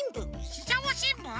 ししゃもしんぶん？